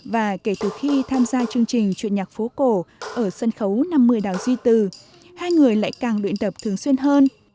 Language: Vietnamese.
và kể từ khi tham gia chương trình chuyện nhạc phố cổ ở sân khấu năm mươi đào duy từ hai người lại càng luyện tập thường xuyên hơn